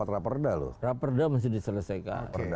rap erda mesti diselesaikan